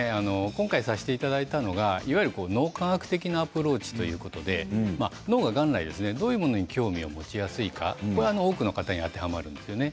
今回させていただいたのが、いわゆる脳科学的なアプローチということで脳は元来どういうものに興味を持ちやすいか、これは多くの方にあてはまるんですよね。